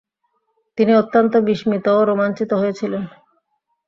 তিনি অত্যন্ত বিস্মিত ও রোমাঞ্চিত হয়েছিলেন।